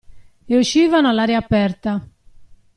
E uscivano all'aria aperta.